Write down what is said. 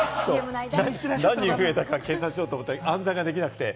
何人増えたか計算しようと思ったら、暗算できなくて。